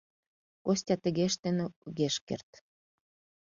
Костя тыге ыштен огеш керт.